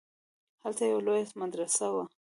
هلته يوه لويه مدرسه وه.